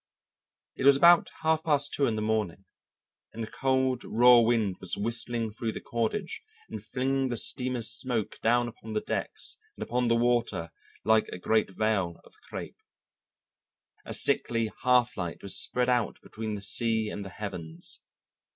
It was about half past two in the morning, and a cold raw wind was whistling through the cordage and flinging the steamer's smoke down upon the decks and upon the water like a great veil of crêpe. A sickly half light was spread out between the sea and the heavens.